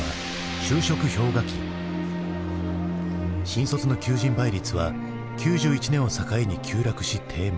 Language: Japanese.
新卒の求人倍率は９１年を境に急落し低迷。